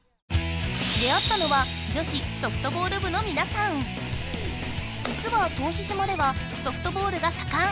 出会ったのはじつは答志島ではソフトボールがさかん。